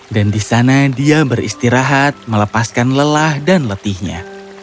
dan di sana dia beristirahat melepaskan lelah dan letihnya